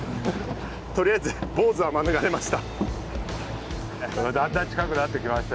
とりあえずボウズは免れました。